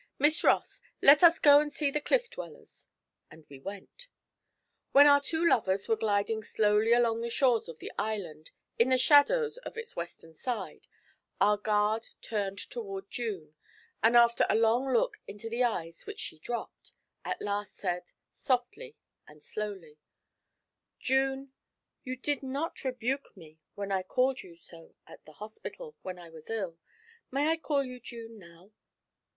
Miss Ross, let us go and see the cliff dwellers,' and we went. When our two lovers were gliding slowly along the shores of the island, in the shadows of its western side, our guard turned toward June, and after a long look into the eyes which she dropped, at last said, softly and slowly: 'June you did not rebuke me when I called you so at the hospital when I was ill; may I call you June now?'